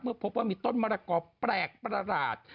พอเพื่อเพิ่งพอว่ามีต้นมะระกอแปลกประหลาด